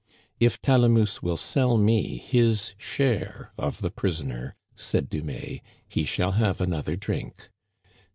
" If Talamousse will sell me his share of the prison er," said Dumais, " he shall have another drink."